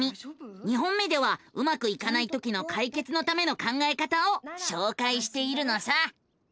２本目ではうまくいかないときの解決のための考えた方をしょうかいしているのさ。